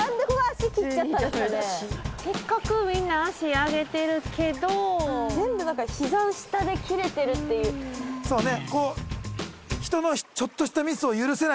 せっかくみんな足上げてるけど全部膝下で切れてるというそうね